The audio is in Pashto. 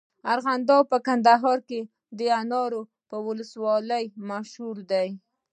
ارغنداب په کندهار کي د انارو په ولسوالۍ مشهوره دی.